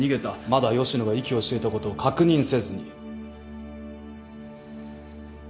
まだ吉野が息をしていたことを確認せずに。